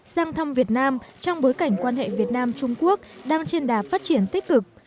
sang thăm việt nam trong bối cảnh quan hệ việt nam trung quốc đang trên đà phát triển tích cực